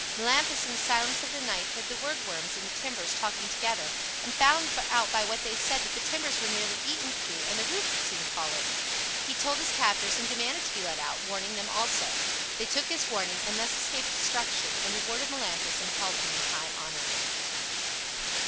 Melampus in the silence of the night heard the woodworms in the timbers talking together, and found out by what they said that the timbers were nearly eaten through and the roof would soon fall in. He told his captors and demanded to be let out, warning them also. They took his warning, and thus escaped destruction, and rewarded Melampus and held him in high honor.